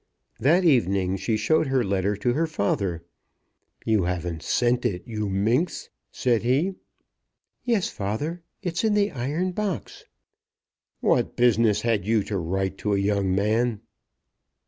That evening she showed her letter to her father. "You haven't sent it, you minx?" said he. "Yes, father. It's in the iron box." "What business had you to write to a young man?"